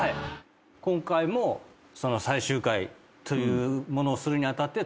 今回も最終回というものをするに当たって。